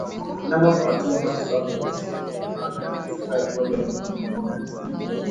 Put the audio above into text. Wanyama kupatiwa matibabu husika ya ugonjwa wa majimoyo